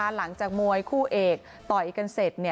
หลังจากมวยคู่เอกต่อยกันเสร็จ